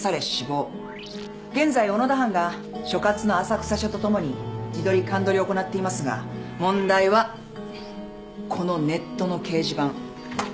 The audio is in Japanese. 現在小野田班が所轄の浅草署と共に地取り鑑取りを行っていますが問題はこのネットの掲示板。